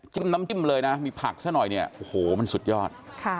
น้ำจิ้มเลยนะมีผักซะหน่อยเนี่ยโอ้โหมันสุดยอด